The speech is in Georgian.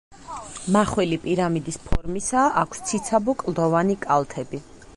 მახვილი პირამიდის ფორმისაა, აქვს ციცაბო კლდოვანი კალთები.